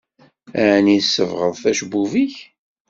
Aɛni tsebɣeḍ acebbub-ik?